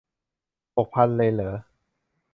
หกพันเลยเหรอ